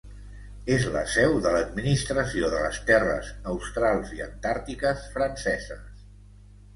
És la seu de l'administració de les Terres Australs i Antàrtiques Franceses.